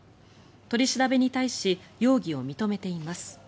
取り調べに対し容疑を認めています。